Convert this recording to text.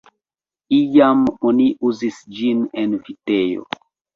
Iam oni uzis ĝin en vitejo.